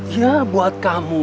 ya buat kamu